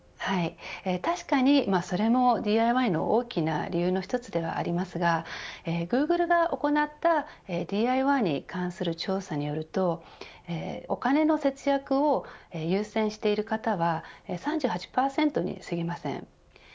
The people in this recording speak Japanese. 確かにそれもＤＩＹの大きな理由の一つではありますがグーグルが行ったＤＩＹに関する調査によるとお金の節約を優先している方は３８％に過ぎません。